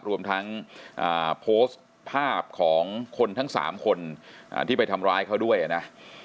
รวมทั้งโพสต์ภาพของคนทั้ง๓คนที่ไปทำร้ายเขาด้วยนะ